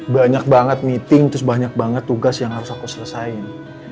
banyak banget meeting terus banyak banget tugas yang harus aku selesaiin